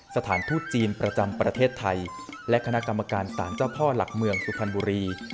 สถานทูตจีนประจำประเทศไทยและคณะกรรมการศาลเจ้าพ่อหลักเมืองสุพรรณบุรี